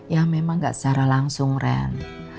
ya memang nggak secara langsung ren